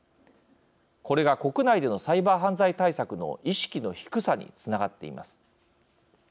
これが国内でのサイバー犯罪対策の意識の低さにつながっています。